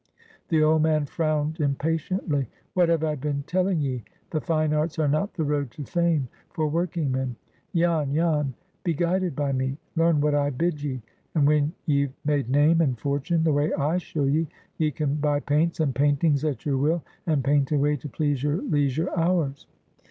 The old man frowned impatiently. "What have I been telling ye? The Fine Arts are not the road to fame for working men. Jan, Jan, be guided by me. Learn what I bid ye. And when ye've made name and fortune the way I show ye, ye can buy paints and paintings at your will, and paint away to please your leisure hours."